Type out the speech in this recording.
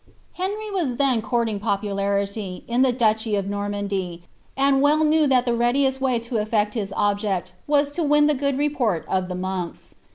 Henry was then courting popularity, in the duchy of Normandy, and well knew that the readiest way to effect his object, was to win the good report of the monks.